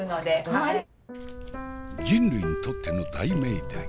人類にとっての大命題。